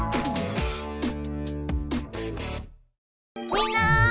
みんな！